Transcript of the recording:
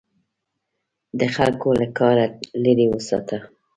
د خلکو له کاره لیرې وساته.